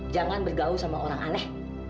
jangan bergaul sama orang aneh